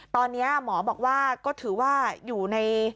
ตอนนี้หมอบอกว่าก็ถือว่าอยู่ใน